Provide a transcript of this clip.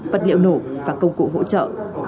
vật liệu nổ và công cụ hỗ trợ